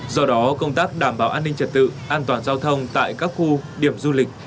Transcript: do đó công tác đảm bảo an ninh trật tự an toàn giao thông tại các khu điểm du lịch